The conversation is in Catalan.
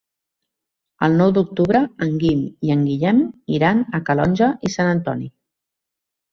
El nou d'octubre en Guim i en Guillem iran a Calonge i Sant Antoni.